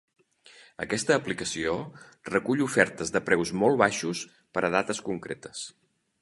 Aquesta aplicació recull ofertes de preus molt baixos per a dates concretes.